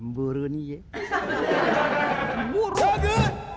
muruh nih ya